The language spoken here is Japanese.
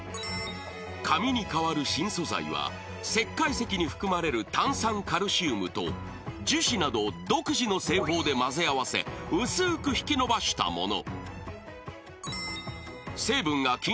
［紙に代わる新素材は石灰石に含まれる炭酸カルシウムと樹脂などを独自の製法で混ぜ合わせ薄く引き伸ばしたもの］